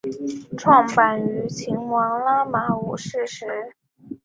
创办于泰王拉玛五世时。